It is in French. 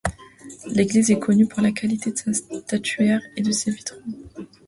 L'église est connue pour la qualité de sa statuaire et de ses vitraux.